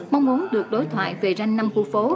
mong muốn được đối thoại về ranh năm khu phố